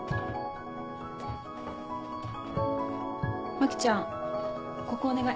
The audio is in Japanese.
牧ちゃんここお願い。